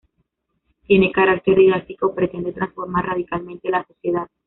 Tiene carácter didáctico, pretende transformar radicalmente la sociedad.